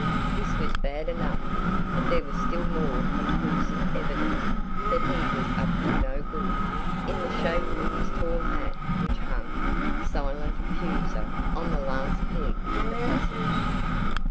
This was bad enough, but there was still more conclusive evidence that he was up to no good, in the shape of his tall hat, which hung, silent accuser, on the last peg in the passage.